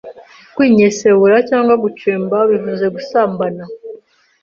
kwinyensebura cyangwa gucemba bivuze gusambana,